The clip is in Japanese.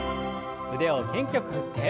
腕を元気よく振って。